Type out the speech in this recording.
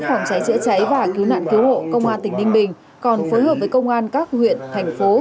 phòng cháy chữa cháy và cứu nạn cứu hộ công an tỉnh ninh bình còn phối hợp với công an các huyện thành phố